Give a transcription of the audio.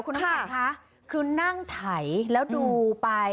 ทำมากี่ครั้งแล้วเนี่ย